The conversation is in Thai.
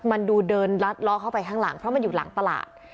มันดูเดินลัดล้อเข้าไปข้างหลังเพราะมันอยู่หลังตลาด